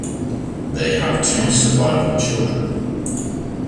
They have two surviving children.